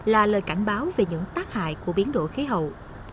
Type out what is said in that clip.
là lời cảnh báo về những tác hại của biến đổi khí hậu